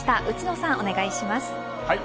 内野さん、お願いします。